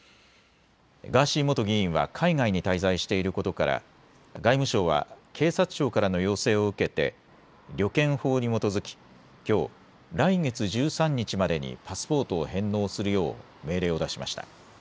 ガーシー元議員は海外に滞在していることから、外務省は、警察庁からの要請を受けて旅券法に基づき、きょう、来月１３日までにパスポートを返納するよう命令を出しました。